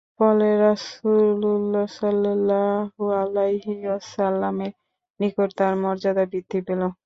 ফলে রাসূলুল্লাহ সাল্লাল্লাহু আলাইহি ওয়াসাল্লামের নিকট তার মর্যাদা বৃদ্ধি পেল।